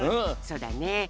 そうだね。